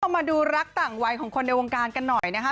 มาดูรักต่างวัยของคนในวงการกันหน่อยนะคะ